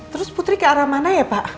terus putri ke arah mana ya pak